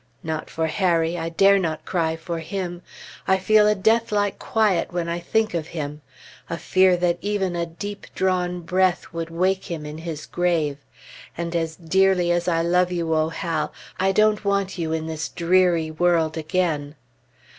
Not for Harry; I dare not cry for him. I feel a deathlike quiet when I think of him; a fear that even a deep drawn breath would wake him in his grave. And as dearly as I love you, O Hal, I don't want you in this dreary world again....